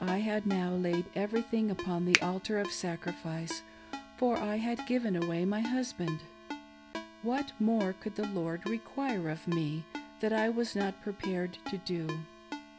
I had now laid everything upon the altar of sacrifice, for I had given away my husband. What more could the Lord require of me that I was not prepared to do